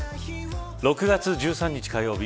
６月１３日火曜日